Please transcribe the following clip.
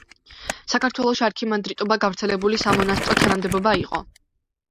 საქართველოში არქიმანდრიტობა გავრცელებული სამონასტრო თანამდებობა იყო.